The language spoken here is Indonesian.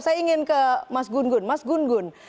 saya ingin ke mas gun gun mas gun gun